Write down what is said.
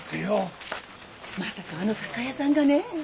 ・まさかあの酒屋さんがねえ。